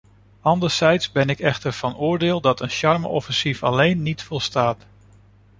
Anderzijds ben ik echter van oordeel dat een charme-offensief alleen niet volstaat.